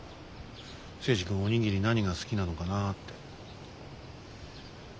征二君お握り何が好きなのかなって。